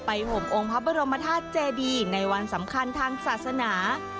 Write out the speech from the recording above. ห่มองค์พระบรมธาตุเจดีในวันสำคัญทางศาสนา